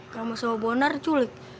kamu sama bonar culik